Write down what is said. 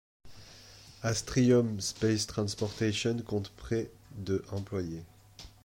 Astrium Space Transportation compte près de employés.